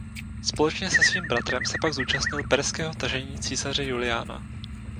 Společně se svým bratrem se pak zúčastnil perského tažení císaře Juliana.